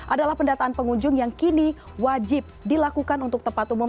adalah pendataan pengunjung yang kini wajib dilakukan untuk tempat umum